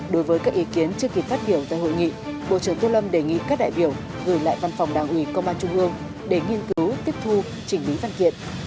đối với các ý kiến trước khi phát biểu tại hội nghị bộ trưởng tô lâm đề nghị các đại biểu gửi lại văn phòng đảng ủy công an trung ương để nghiên cứu tiếp thu chỉnh lý văn kiện